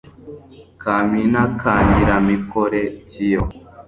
kamina ka nyiramikore kiyo